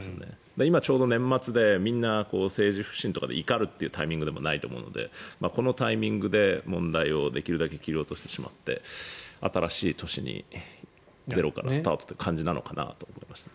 今、ちょうど年末でみんな政治不信とかで怒るタイミングでもないと思うのでこのタイミングで問題をできるだけ切り落としてしまって新しい年にゼロからスタートという感じなのかなと思いましたね。